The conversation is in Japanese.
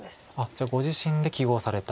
じゃあご自身で揮ごうされた。